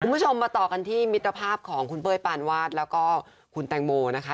คุณผู้ชมมาต่อกันที่มิตรภาพของคุณเป้ยปานวาดแล้วก็คุณแตงโมนะคะ